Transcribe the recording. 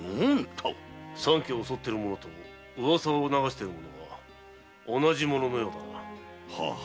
三家を襲っている者とウワサを流している者は同じ者のようだな。